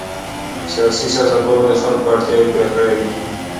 سیاسي سیاستونه د خلکو اړتیاوې پوره کوي